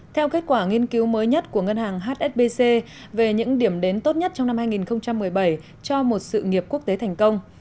theo kết quả nghiên cứu mới nhất của ngân hàng hsbc về những điểm đến tốt nhất trong năm hai nghìn một mươi bảy cho một sự nghiệp quốc tế thành công